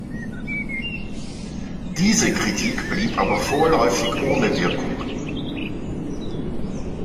Diese Kritik blieb aber vorläufig ohne Wirkung.